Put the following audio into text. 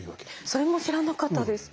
それも知らなかったです。